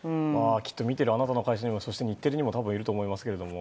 きっと見てるあなたの会社にもそして日テレにもきっといると思いますけど。